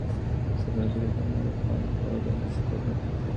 سوداګري له مالي پلان پرته نشي کېدای.